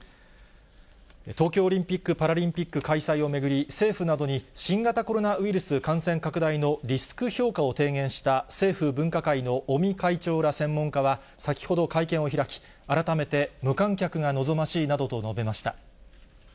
東京オリンピック・パラリンピック開催を巡り、政府などに新型コロナウイルス感染拡大のリスク評価を提言した政府分科会の尾身会長ら専門家は、先ほど会見を開き、改めて無観客が望ましいなどと述べました。